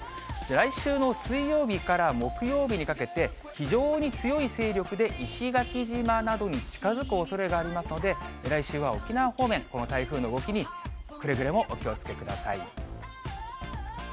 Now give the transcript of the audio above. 来週の水曜日から木曜日にかけて、非常に強い勢力で石垣島などに近づくおそれがありますので、来週は沖縄方面、この台風の動きにくれぐれもお気をつけください。